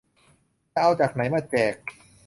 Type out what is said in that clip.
จะเอาจากไหนมาแจก !